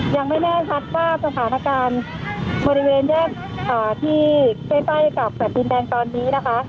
ยังไม่แน่ชัดว่าสถานการณ์บริเวณแยกที่ใกล้กับแผ่นดินแดงตอนนี้นะคะ